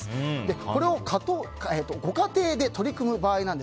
これをご家庭で取り組む場合